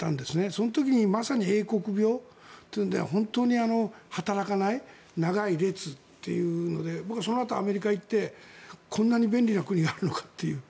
その時にまさに英国病というので本当に働かない長い列というので僕はそのあと、アメリカに行ってこんなに便利な国があるのかっていう。